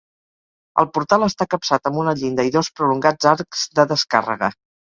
El portal està capçat amb una llinda i dos prolongats arcs de descàrrega.